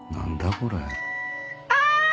これ。